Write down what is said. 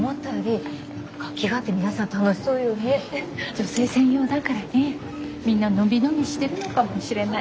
女性専用だからねみんな伸び伸びしてるのかもしれない。